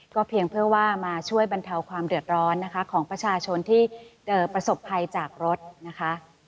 เพียงเพื่อว่ามาช่วยบรรเทาความเดือดร้อนนะคะของประชาชนที่ประสบภัยจากรถนะคะ